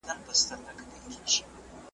له سړیو ساه ختلې ژوندي مړي پکښي ګرځي .